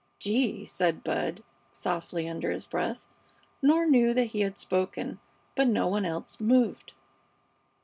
"Gee!" said Bud, softly, under his breath, nor knew that he had spoken, but no one else moved.